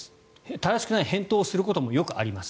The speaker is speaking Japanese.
正しくない返答をすることもよくあります。